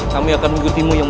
kami akan mengikuti kamu tuhan